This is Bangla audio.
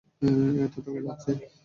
এত টাকা আছে?